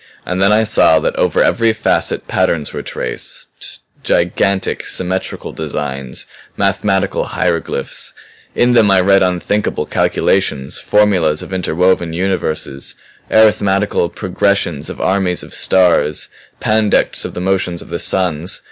And then I saw that over every facet patterns were traced; gigantic symmetrical designs; mathematical hieroglyphs. In them I read unthinkable calculations, formulas of interwoven universes, arithmetical progressions of armies of stars, pandects of the motions of the suns.